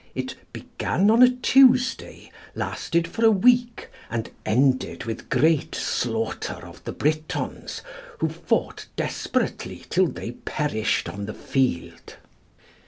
It "began on a Tuesday, lasted for a week, and ended with great slaughter of the Britons, who fought desperately till they perished on the field."